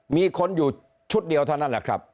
มีคนอยู่ชุดเดียวเท่านั้นแหละครับ